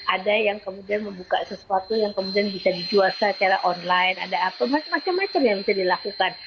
ada yang kemudian membuka sesuatu yang kemudian bisa dijual secara online ada apa macam macam yang bisa dilakukan